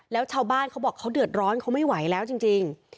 แล้วชาวบ้านเขาบอกเขาเดือดร้อนเขาไม่ไหวแล้วจริง